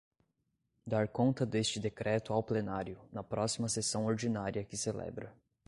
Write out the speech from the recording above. Dar conta deste decreto ao Plenário, na próxima sessão ordinária que celebra.